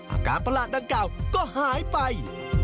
ประหลาดดังกล่าวก็หายไป